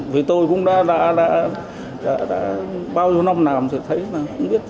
với tôi cũng đã bao nhiêu năm làm rồi thấy không biết